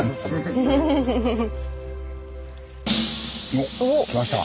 おっ来ました。